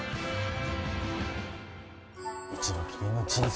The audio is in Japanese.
一度きりの人生